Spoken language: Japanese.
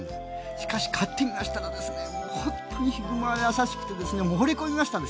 しかし飼ってみましたら本当にヒグマは優しくてほれ込みました。